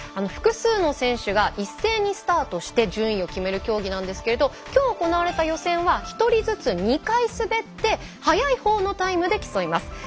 複数の選手が一斉にスタートして順位を決める競技なんですけどきょう行われた予選は１人ずつ２回滑って速いほうのタイムで競います。